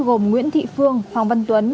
gồm nguyễn thị phương hoàng văn tuấn